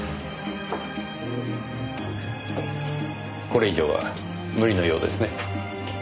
これ以上は無理のようですね。